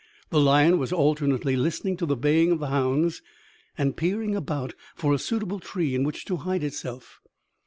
The lion was alternately listening to the baying of the hounds and peering about for a suitable tree in which to hide itself.